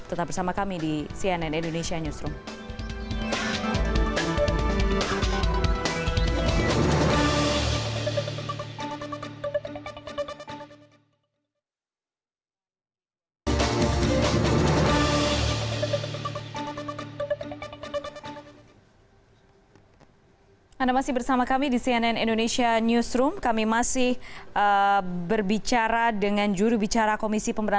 tetap bersama kami di cnn indonesia newsroom